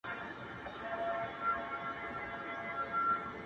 • عاقبت به خپل تاریخ ته مختورن یو -